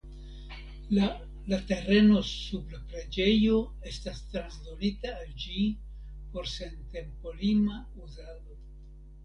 La la tereno sub la preĝejo estas transdonita al ĝi por sentempolima uzado.